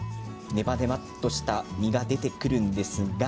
ネバネバっとした実が出てくるんですが。